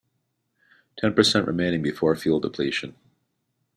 Ten percent remaining before fuel depletion.